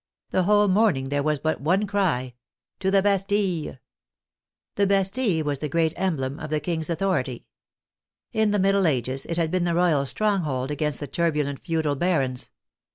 The whole morning there was but one cry, "To the Bastille! " The Bastille was the great emblem of the King's authority. In the middle ages it had been the Royal stronghold against the turbulent feudal barons.